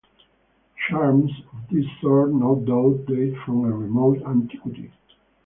Charms of this sort no doubt date from a remote antiquity.